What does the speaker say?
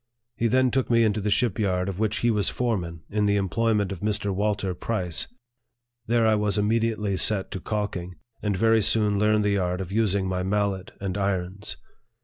He then took me into the ship yard of which he was foreman, in the employ ment of Mr. Walter Price. There I was immediately set to calking, and very soon learned the art of using my mallet and irons.